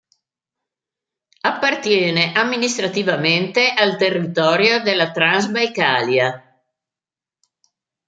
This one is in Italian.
Appartiene amministrativamente al Territorio della Transbajkalia.